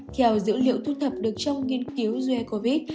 theo dữ liệu thu thập được trong nghiên cứu due covid